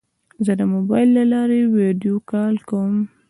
زه د موبایل له لارې ویدیو کال کوم.